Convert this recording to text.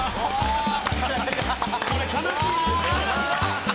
これ悲しい。